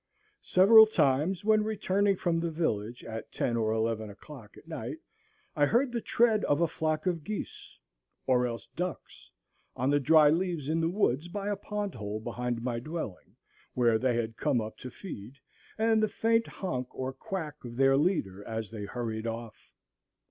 Several times, when returning from the village at ten or eleven o'clock at night, I heard the tread of a flock of geese, or else ducks, on the dry leaves in the woods by a pond hole behind my dwelling, where they had come up to feed, and the faint honk or quack of their leader as they hurried off.